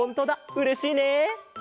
うれしいね。